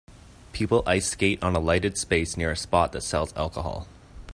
People ice skate on a lighted space near a spot that sells alcohol.